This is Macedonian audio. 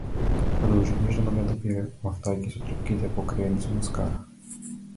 Продолжи нежно да ме допира, мавтајќи со трепките покриени со маскара.